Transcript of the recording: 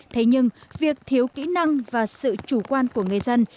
thế nhưng việc thiếu kỹ năng và sự chủ quan của người dân